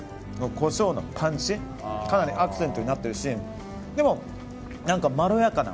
コショウのパンチかなりアクセントになってるしでも、何かまろやかな。